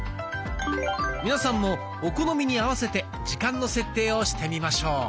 皆さんもお好みに合わせて時間の設定をしてみましょう。